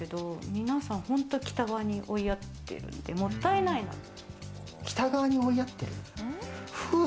皆さん本当に北側に追いやってるんで、もったいないなっていう。